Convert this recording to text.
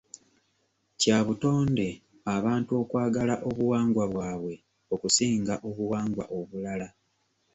Kya butonde abantu okwagala obuwangwa bwabwe okusinga obuwangwa obulala.